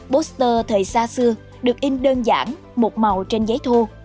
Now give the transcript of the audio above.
poster thời xa xưa được in đơn giản một màu trên giấy thu